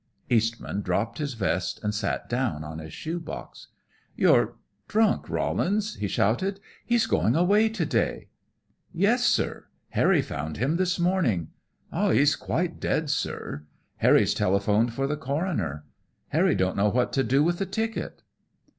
Eastman dropped his vest and sat down on his shoe box. "You're drunk, Rollins," he shouted. "He's going away to day!" "Yes, sir. Harry found him this morning. Ah, he's quite dead, sir. Harry's telephoned for the coroner. Harry don't know what to do with the ticket."